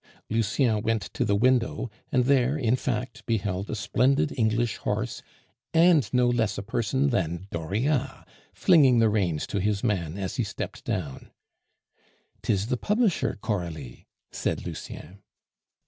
Lucien went to the window, and there, in fact, beheld a splendid English horse, and no less a person than Dauriat flinging the reins to his man as he stepped down. "'Tis the publisher, Coralie," said Lucien.